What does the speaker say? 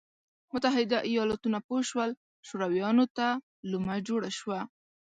متحده ایالتونه پوه شول شورویانو ته لومه جوړه شوه.